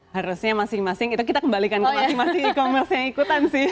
harusnya masing masing itu kita kembalikan ke masing masing e commerce yang ikutan sih